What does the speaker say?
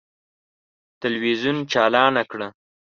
تلویزون چالانه کړه!